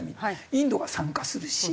インドが参加するし。